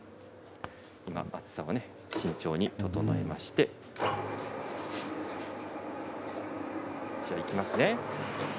今、厚さを慎重に整えましていきますね。